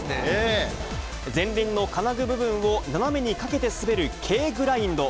前輪の金具部分を斜めにかけて滑るＫグラインド。